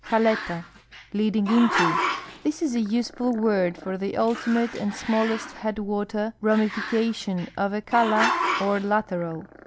Calela (leading into). — This is a useful word for the ultimate and small est headwater ramification of a cala or lateral.